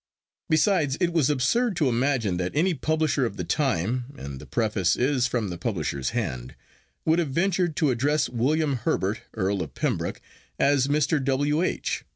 Besides, it was absurd to imagine that any publisher of the time, and the preface is from the publisher's hand, would have ventured to address William Herbert, Earl of Pembroke, as Mr. W. H.